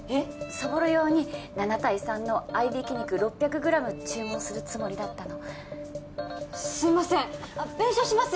そぼろ用に７対３の合い挽き肉６００ｇ注文するつもりだったのすいません弁償します！